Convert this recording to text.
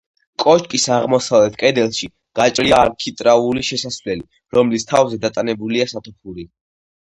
კოშკის აღმოსავლეთ კედელში გაჭრილია არქიტრავული შესასვლელი, რომლის თავზე დატანებულია სათოფური.